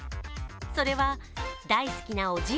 それは大好きなおじい